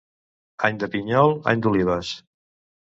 Any de pinyol, any d'olives.